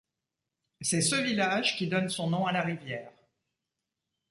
C'est ce village qui donne son nom à la rivière.